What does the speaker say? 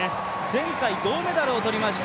前回銅メダルをとりました